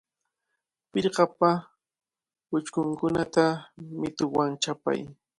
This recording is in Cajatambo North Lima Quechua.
Pirqapa uchkunkunata mituwan chapay.